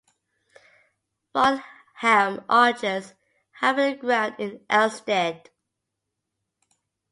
Farnham Archers have a ground in Elstead.